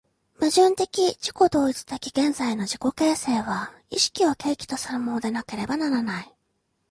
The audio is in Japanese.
矛盾的自己同一的現在の自己形成は意識を契機とするものでなければならない。